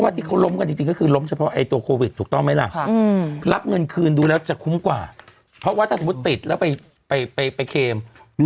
อ่าถ้ามาต้องชุดใหญ่ถ้าชุดเล็กไม่เอาเยี่ยม